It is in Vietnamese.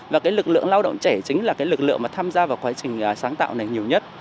và lực lượng lao động trẻ chính là lực lượng tham gia vào quá trình sáng tạo này nhiều nhất